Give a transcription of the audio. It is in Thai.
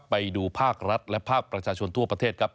ไปดูภาครัฐและภาคประชาชนทั่วประเทศครับ